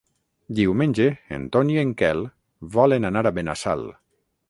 Diumenge en Ton i en Quel volen anar a Benassal.